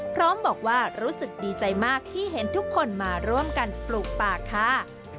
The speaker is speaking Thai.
พร้อมบอกว่ารู้สึกดีใจมากที่เห็นทุกคนมาร่วมกันปลูกป่าค่ะ